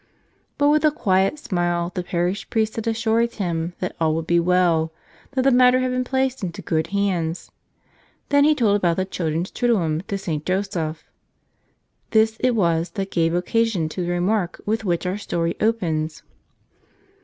But with a quiet smile the parish priest had assured him that all would be well, that the matter had been placed into good hands. Then he told about the chil¬ dren's triduum to St. Joseph. This it was that gave occasion to the remark with which our story opens.